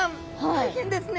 大変ですね